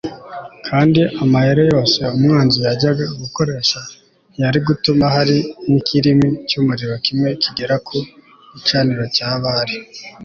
kandi amayere yose umwanzi yajyaga gukoresha ntiyari gutuma hari nikirimi cyumuriro kimwe kigera ku gicaniro cya Bali